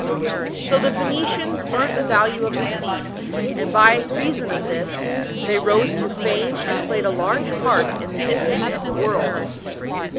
So the Phoenicians learnt the value of the sea, and by reason of this, they rose to fame and played a large part in the history of the world.